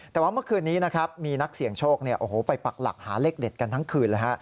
แต่ว่าเมื่อคืนนี้นะครับมีนักเสี่ยงโชคไปปักหลักหาเลขเด็ดกันทั้งคืนเลยฮะ